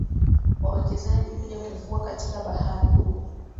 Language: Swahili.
Wawekezaji huja kuvua katika bahari kuu